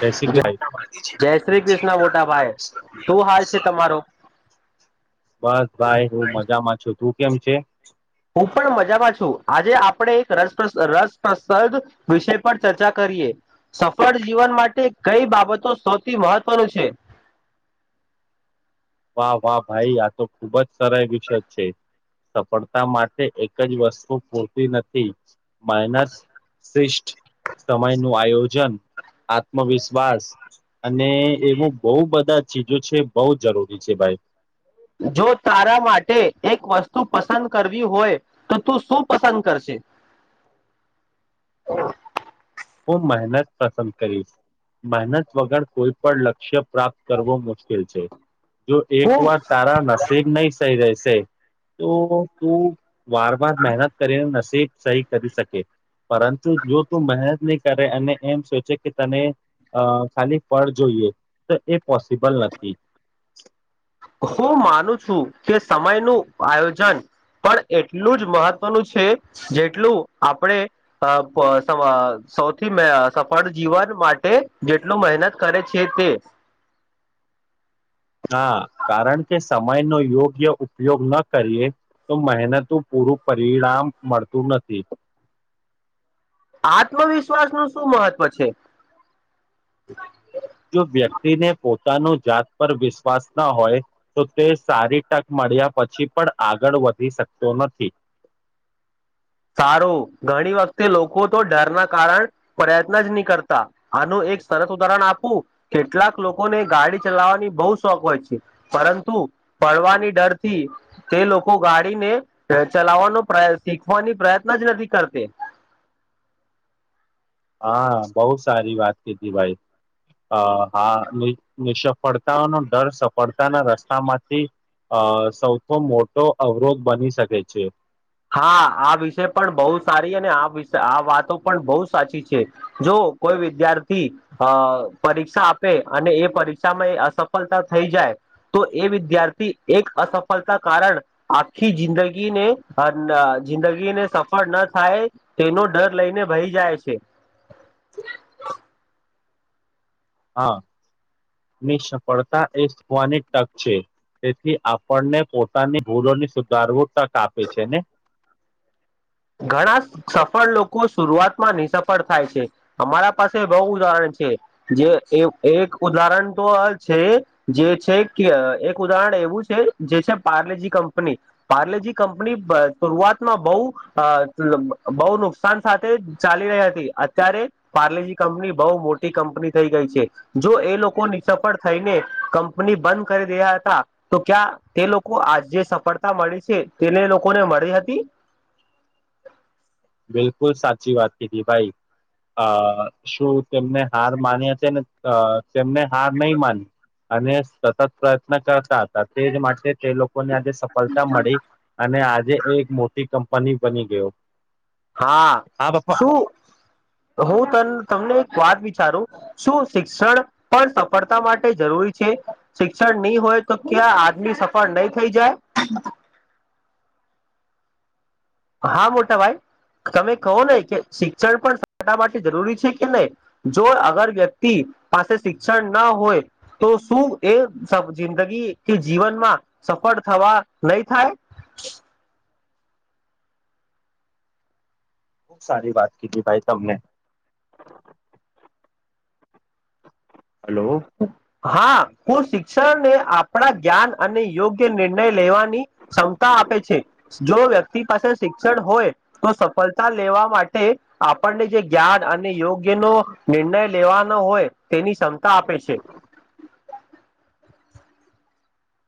જૈસી કે જ ભાઈ જય શ્રી કૃષ્ણ મોટાભાઈ, શું હાલ છે તમારો? [unintelligible] બસ ભાઈ, હું મજામાં છું, તું કેમ છે? હું પણ મજામાં છું, આજે આપડે એક રસપ રસપ્રસદ વિષય પર ચર્ચા કરીએ. સફળ જીવન માટે કઈ બાબતો સૌથી મહત્વનું છે? [inaudible] વાહ વાહ ભાઈ, આ તો ખુબ સરય વિશદ છે! સફળતા માટે એક જ વસ્તુ પૂરતી નથી, માઇનસ શિષ્ટ, સમય નું આયોજન, આત્મવિશ્વાસ અને એવું બોઉ બધા ચીજો છે, બોઉ જરૂરી છે ભાઈ. જો તારા માટે એક વસ્તુ પસંદ કરવી હોય, તો તું શું પસંદ કરશે? [inaudible] હું મેહનત પસંદ કરીશ. મેહનત વગર કોઈ પણ લક્ષ્ય પ્રાપ્ત કરવું મુશ્કિલ છે. જો એક હું વાર તારા નસીબ નઈ સહી રહેશે, તો તું વાર વાર મેહનત કરીને નસીબ સહી કરી સકે, પરંતુ જો તું મેહનત ની કરે અને એમ સોચે કે તને અ ખાલી ફળ જોઈએ તો એ પોસિબલ નથી હું માનું છું કે સમય નું આયોજન પણ એટલું જ મહત્વનું છે જેટલું આપડે [inaudible] સૌથી મેં સફાળ જીવન માટે જેટલો મહેનત કરે છે તે [inaudible] હા કારણ કે સમય નો યોગ્ય ઉપયોગ ન કરીએ તો મહેનતું પૂરું પરિણામ મળતું નથી. આત્મવિશ્વાસ નું શું મહત્વ છે? જો વ્યક્તિને પોતાનું જાત પર વિશ્વાસ ના હોય તો તે સારી ટકમાં મળ્યા પછી પણ આગળ વધી શકતો નથી. [inaudible] સારું ઘણી વખતે લોકો તો ડર ના કારણ પ્રયત્ન નીજ કરતા આનું એ એક સરત ઉદાહરણ આપું કેટલાક લોકોને ગાડી ચલાવવાની બો શોખ હોય છે પરંતુ પડવાની ડર થી તે લોકો ગાડીને ચલાવાનો પ્રય શીખ ખવાની પ્રયત્ન જ નથી કરતી હા બોઉ સારી વાત કીધી ભાઈ અ હા નિષફળતાઓનો ડર સફળતાના રસ્તામાંથી અ સૌથો મોટો અવરોધ બની શકે છે હા આ વિષય પણ બોઉ સારી અને આ વિશ આ વાતો પણ બોઉ સાચી છે જો કોઈ વિદ્યાર્થી અ પરીક્ષા આપે અને એ પરીક્ષામાં એ અસફળતા થઈ જાય તો એ વિદ્યાર્થી એક અસફળતા કારણ આખી જિંદગીને જિંદગીને સફળ ન થાય તેનો ડર લઈને બેહી જાય છે [inaudible] હા ની સફળતા એ સ્વાની ટક છે તેથી આપણને પોતાની ભૂલોની સુધારવું તક આપે છે ને ઘણા સફળ લોકો શુરઆતમાં નિસફળ થાય છે અમારા પાસે બોઉ ઉદાહરણ છે જે એ એક ઉદાહરણ તો છે જે છે કે એક ઉદાહરણ એવું છે જે છે પાર્લેજી કંપની પાર્લેજી કંપની શરઆતમાં બોઉ અ બો નુકસાન સાથે ચાલી રહી હતી અત્યારે પાર્લેજી કંપની બોઉ મો ટી કંપની થઈ ગઈ છે જો એ લોકો નિ સફળ થઈને કંપની બંધ કરી દિયા હતા તો ક્યાં તે લોકો આજે સફળતા મળી છે તેને લોકોને મળી હતી? બિલકુલ સાચી વાત કીધી ભાઈ અ શું તેમને હાર માની હતી અ તેમને હાર નઈ માન અને સતત પ્રયત્ન કરતા હતા તે જ માટે તે લોકો ને આજે સફળતા મળી અને આજે એ એક મોટી કંપની બની ગયો. હા શું હું ત તમને એક વાત વી સારું શું શિક્ષણ પણ સફળતા માટે જરૂરી છે શિક્ષણ નઈ હોય તો કે ટલા આદમની સફળ નઈ થઈ જાય હા મોટા ભાઈ. તમે કહો નહી કે શિક્ષણ પણ [inaudible] માટે જરૂરી છે કે નહી જો અગર વ્યક્તિ. પાસે શિક્ષણ ના હોય તો શું એ જિંદગી કે જીવનમાં. સફળ થવા નહી થાય. ખુબ સારી વાત કીધી ભાઈ તમને. હલો. હા હું શિક્ષણને આપણા જ્ઞાન અને યોગ્ય નિર્ણય લેવાની ક્ષમતા. આપે છે જો વ્યક્તિ પાસે શિક્ષણ હોય તો સફળતા લેવા માટે આપણ. જે જ્ઞાન અને યોગ્ય નો નિર્ણય લેવાનો હોય તેની ક્ષમતા આપે તે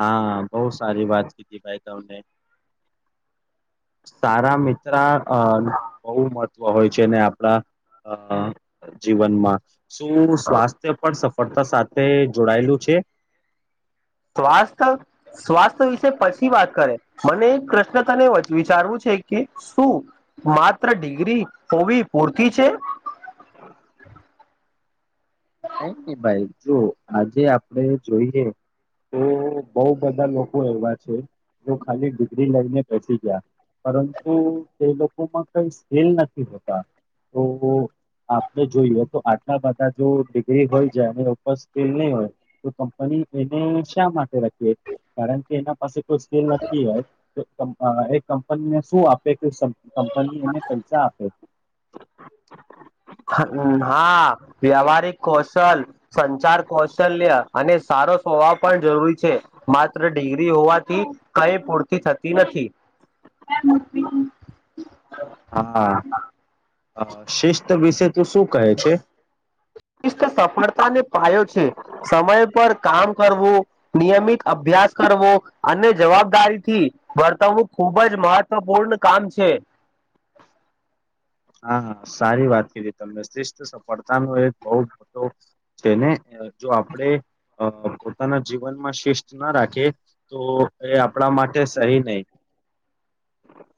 હા બઉં સારી વાત કીધી ભાઈ તમને સારા મિત્ર અ બહુ મ ત્વ હોય છે ને આપડા જીવનમાં શું સ્વાસ્થ્ય પણ સફ ફળતા સાથે જોડાયેલું છે તો આજકલ સ્વાસ્થ વિશે પછી વાત કરે મને એક પ્રશ્ન તને વિચારવું છે કે શું માત્ર ડિગ્રી હોવી પૂરતી છે? નઈ ની ભાઈ જો આજે આપડે જોઈએ તો બઉ બધા લોકો એવા છે જો ખાલી ડિગ્રી લઈને બેસી ગયા પરંતુ તે લોકોમાં કઈ સ્કિલ નથી હોતા તો આપણે જોઈએ તો આટલા બધા જો ડિગ્રી હોય જાય અને ઉપસ [inaudible] હોય તો કંપની એને શા માટે રાખીએ કારણ કે એના પાસે કોઈ સ્કેલ નથી હોય તો એ કંપનીને શું આપે? કંપની એને પૈસા આપે હા વ્યવહારિક કૌશલ સંચાર કૌશલ્ય અને સા સારો સ્વભાવ પણ જરૂરી છે માત્ર ડિગ્રી હોવાથી કઈ પૂરતી થતી નથી [unintelligible] હા શિસ્ત વિશે તું શું કહે છે સફળતા ને પાયો છે, સમય પર કામ કરવું નિયમિત અભ્યાસ કરવો અને જવાબદારીથી વર્તવવું. ખુબ જ મહત્વપૂર્ણ કામ છે. હા હા સારી વાત કીધી તમને શિસ્ત સફળતાનો એ બોવ મોટો છે ને? જો આપણે પોતાના જીવનમાં શિસ્ત ના રાખીએ તો એ. આપણા માટે સહી નહીં.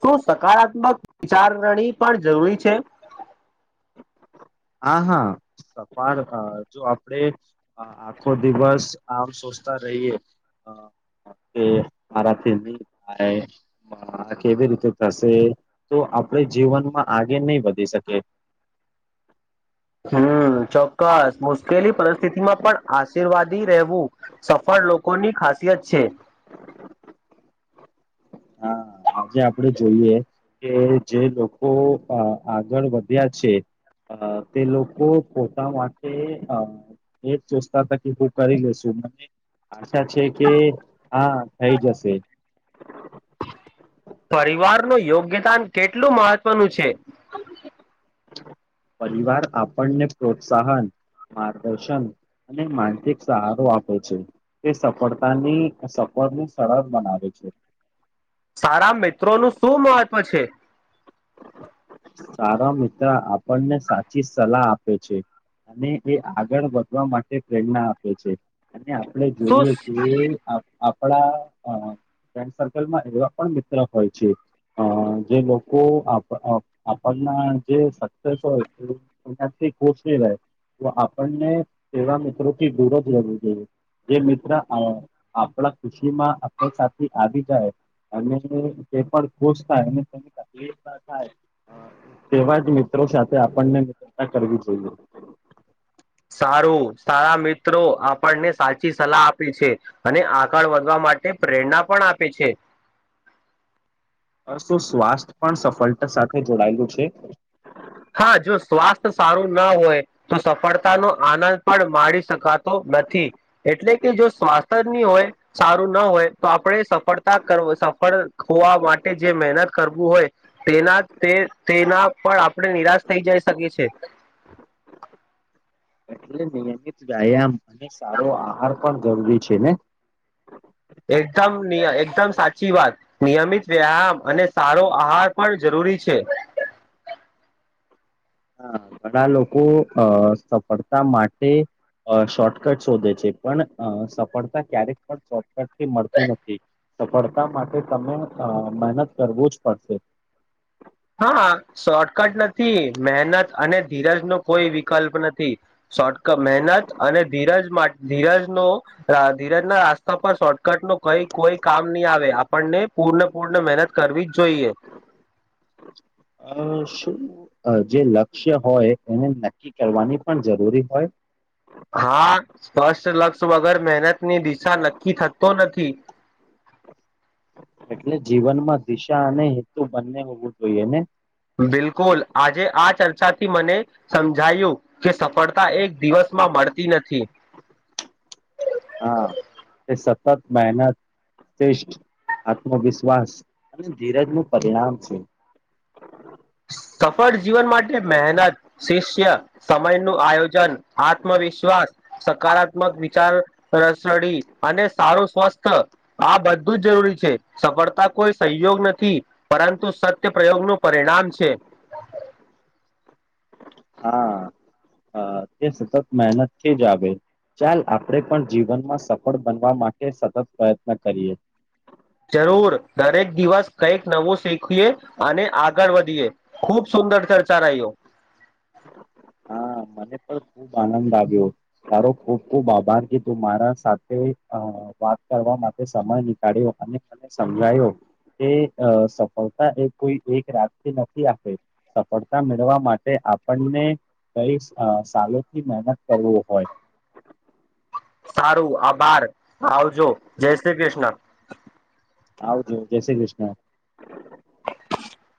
શું સકારાત્મક વિચારધણી પણ જરૂરી છે. હા હા જો આપડે આખો દિવસ આમ. હા રહીએ હા. કે મારાથી ની થાય આ કેવી રીતે થશે તો. આપણે જીવનમાં આગે નહી વધી શકે. [unintelligible] હમ્મ ચોક્કસ મુશ્કેલી પરિસ્થિતિમાં પણ આશીર્વાદી રહેવું સફળ. લોકોની ખાસિયત છે. હા. આજે આપડે જોઈએ કે જે લોકો આગળ વધ્યા છે. અ તે લોકો પોતા માટે અ એ ચોસ્તા તકી હું કરી લેસુ [unintelligible] છા છે કે હા થઈ જશે. પરિવાર નું યોગ્યદાન કેટલું મહત્વનું છે. [unintelligible] પરિવાર આપણને પ્રોત્સાહન, માર્ગદર્શન. અને માનસિક સહારો આપે છે, તે સફળતાની સફળને સરળ બનાવે છે. સારા મિત્રોનું શું મહત્ત્વ છે. સારો મિત્ર આપણને સાચી સલાહ આપે છે. અને એ આગળ વધવા માટે પ્રેરણા આપે છે. આપણેે શું જોઈએ કે અ આપણા અ ફ્રેન્ડ સર્કલમાં એવા પણ મિત્ર હોય છે, અ જે લોકો આપ આ આપણના જે સક્સેસ હોય એનાથી [unintelligible] તો આપણને તેવા મિત્રોથી દૂર જ રહેેવું જોઈએ જે મિત્ર અ આપણા ખુશીમાં આપણી સાથે આવી જાય અને તે પણ ખુસ થાય તેની તકલીફ ન થાય અ તેવા જ મિત્રો સાથે આપણને મિત્રતા કરવી જોઈએ સારું સારા મિત્રો આપણને સાચી સલાહ આપે છે, અને આગળ વધવા મા માટે પ્રેરણા પણ આપે છે. અર્શો સ્વાસ્થ્ય પણ સફળતા સાથે જોડાયેલું છે. હા જો સ્વાસ્થ્ય સારું ના હોય તો સફળતાનો આનંદ પણ માડી શકાતો નથી એટલે કે જો સ્વાસ્થ્યની હોય સારું ન હોય તો આપણે સફળતા કર સફળ હોવા માટે જે મહેનત કરવું હોય તેના તે તેના પણ આપણે નિરાશ થઈ જાય શકે છે. એટલે નિયમિત વ્યાયામ અને સારો આહાર પણ જરૂરી છે, ને? એકદમ એકદમ સાચી વાત નિયમિત વ્યાયામ અને સારો આહાર પણ જરૂ રી છે. હા ઘણા લોકો અ સફળતા માટે અ શોર્ટકટ શોધે છે, પણ અ સફળતા ક્યારેક પણ શોર્ટકટથી મલતું નથી સફળતા માટે તમે અ મહેનત કરવું જ પડશે હ હા શોર્ટકટ નથી મહેનત અને ધીરજ નો કોઈ વિકલ્પ નથી શોર્ટક મહેનત અને ધીરજ મા ધીરજનો રા ધીરજ ના રાસ્તા પર શોર્ટકટનો કઈ કોઈ કામ નહી આવે આપણને પૂર્ણ પૂર્ણ મહેનત કરવી જ જોઈએ [inaudible] અ શું અ જે લક્ષ્ય હોય એને નક્કી કરવાની પણ જરૂરી હોય હા સ્પષ્ટ લક્ષ્ય વગર મહેનતની દિશા નક્કી થતો ન થી. એટલે જીવનમાં દિશા અને હેતુ બંને હોવું જોઈએ ને? સાચી મને સમજાયું કે સફળતા એક દિવસમાં મળતી નથી [inaudible] હા તે સતત મહેનત શ્રેષ્ઠ આત્મવિશ્વાસ અને ધીરજ નું પરિણામ છે. [inaudible] સફળ જીવન માટે મહેનત શિષ્ય સમય નું આયોજન આત્મવિશ્વા વાસ સકારાત્મક વિચાર રસડી અને સારું સ્વસ્થ આ બધું જરૂરી છે, સફળતા કોઈ સહયોગ નથી પરંતુ સત્ય પ્રયોગનું પરિણામ છે. હા હા તે સતત મહેનતથી જ આવે ચાલ આપણે પણ જીવનમાં સફળ બનવા માટે સતત પ્રયત્ન કરીએ જરૂર દરેક દિવસ કંઈક નવું શીખીએ અને આગળ વધીએ ખુબ શુ દર ચર્ચા રહીઓ હા મને પણ ખુબ આનંદ આવ્યો તારો ખુબ ખુબ આભાર કે તું મારા સાથે અ વાત કરવા માટે સમય નીકાળ્યો અને મને સમજાયો એ અ સફળતા એ કોઈ એક રાતથી નથી આપે સફળતા મેળવા માટે આપણને કઈ અ સાલોથી મહેનત કરવો હોય સારું આભાર આવજો, જય શ્રી કૃષ્ણ આવજો, જય શ્રી કૃષ્ણ [inaudible]